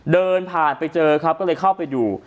เดินผ่านไปเจอครับก็เลยเข้าไปดู